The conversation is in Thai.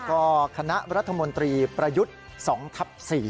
ก็คณะรัฐมนตรีประยุทธ์๒ทับ๔